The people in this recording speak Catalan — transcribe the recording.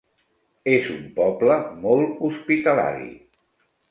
És un poble molt hospitalari.